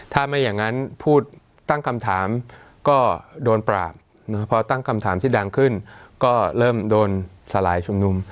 ถ้าไม่อย่างนั้นพูดตั้งคำถามก็โดนปราบพอตั้งคำถามที่ดังขึ้นก็เริ่มโดนสลายชุมนุม